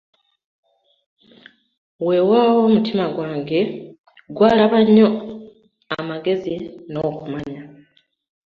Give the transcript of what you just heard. Weewaawo, omutima gwange gwalaba nnyo amagezi n'okumanya.